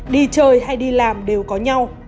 đi chơi hay đi làm đều có nhau